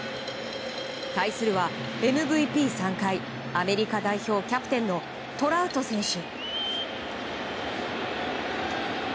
対するは、ＭＶＰ３回アメリカ代表キャプテンのトラウト選手。